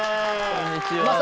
こんにちは。